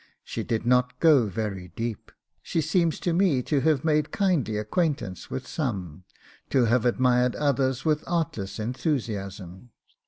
She did not go very deep; she seems to me to have made kindly acquaintance with some, to have admired others with artless enthusiasm.